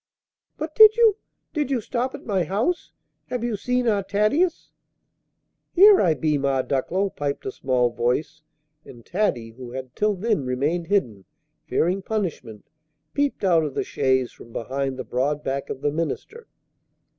"But did you did you stop at my house? Have you seen our Thaddeus?" "Here I be, Ma Ducklow!" piped a small voice; and Taddy, who had till then remained hidden, fearing punishment, peeped out of the chaise from behind the broad back of the minister.